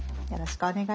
お願いします。